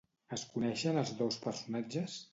Es coneixen els dos personatges?